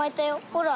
ほら。